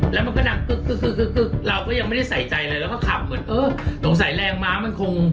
แล้วมันก็ดังกึก